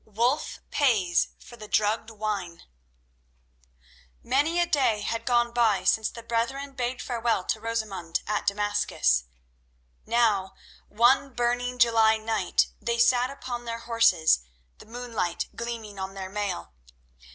Wulf Pays for the Drugged Wine Many a day had gone by since the brethren bade farewell to Rosamund at Damascus. Now, one burning July night, they sat upon their horses, the moonlight gleaming on their mail.